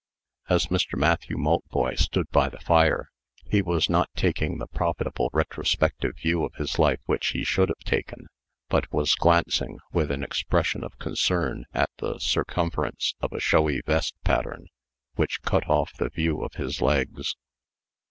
As Mr. Matthew Maltboy stood by the fire, he was not taking the profitable retrospective view of his life which he should have taken, but was glancing with an expression of concern at the circumference of a showy vest pattern which cut off the view of his legs.